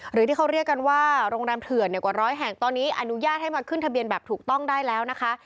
หรือที่เขาเรียกกันว่าโรงแรมเถื่อนกว่าร้อยแห่งตอนนี้อนุญาตให้มาขึ้นทะเบียนแบบถูกต้องได้แล้วนะคะ